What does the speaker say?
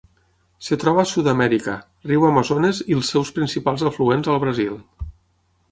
Es troba a Sud-amèrica: riu Amazones i els seus principals afluents al Brasil.